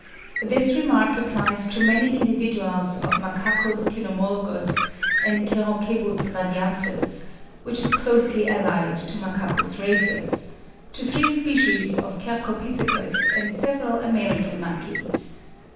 This remark applies to many individuals of Macacus cynomolgus and Cercocebus radiatus (which is closely allied to M. rhesus), to three species of Cercopithecus and several American monkeys.